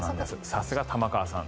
さすが玉川さん。